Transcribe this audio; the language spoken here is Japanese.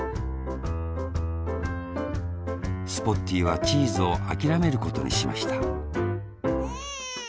スポッティーはチーズをあきらめることにしましたエンエン。